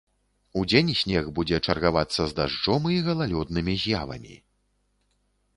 Удзень снег будзе чаргавацца з дажджом і галалёднымі з'явамі.